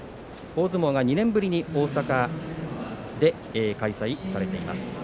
大相撲が２年ぶりに大阪で開催されています。